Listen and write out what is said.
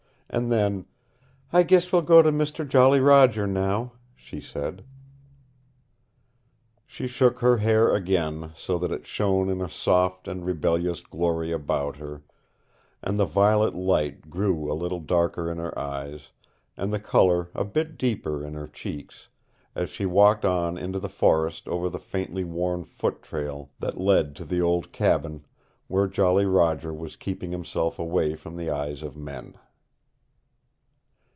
And then, "I guess we'll go to Mister Jolly Roger now," she said. She shook her hair again, so that it shone in a soft and rebellious glory about her, and the violet light grew a little darker in her eyes, and the color a bit deeper in her cheeks as she walked on into the forest over the faintly worn foot trail that led to the old cabin where Jolly Roger was keeping himself away from the eyes of men.